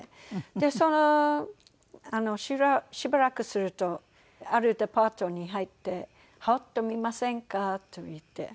でそのしばらくするとあるデパートに入って「羽織ってみませんか？」と言って。